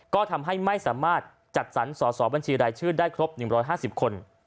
ก็ทำให้ไม่สามารถจัดสรรสอสอบัญชีรายชื่อได้ครบ๑๕๐คน